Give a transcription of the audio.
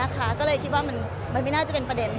ก็เลยคิดว่ามันไม่น่าจะเป็นประเด็น